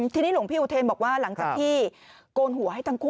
ทีนี้หลวงพี่อุเทนบอกว่าหลังจากที่โกนหัวให้ทั้งคู่